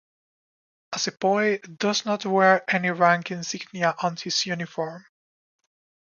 A sepoy does not wear any rank insignia on his uniform.